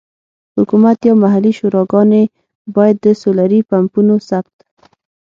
حکومت یا محلي شوراګانې باید د سولري پمپونو ثبت.